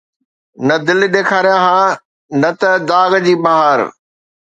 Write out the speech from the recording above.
نه دل، ڏيکاريان ها نه ته داغ جي بهار